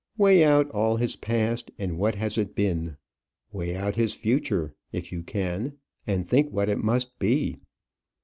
Weigh out all his past, and what has it been? Weigh out his future if you can and think what it must be.